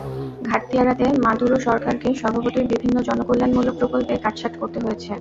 ঘাটতি এড়াতে মাদুরো সরকারকে স্বভাবতই বিভিন্ন জনকল্যাণমূলক প্রকল্পে কাটছাঁট করতে হয়েছে।